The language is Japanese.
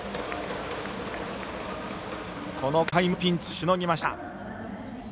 この回もピンチをしのぎました。